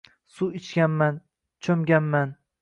Suv ichganman, cho’mganman.